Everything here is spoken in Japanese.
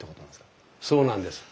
そうなんです。